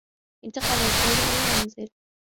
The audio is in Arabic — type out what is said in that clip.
انتقلت ليلى إلى المنزل.